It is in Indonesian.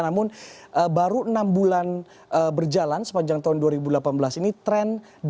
namun baru enam bulan berjalan sepanjang tahun dua ribu delapan belas ini tren